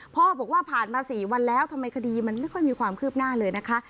พ่อบอกว่าผ่านมา๔วันแล้วทำไมคดีมันไม่ค่อยมีความคืบหน้าเลยนะคะ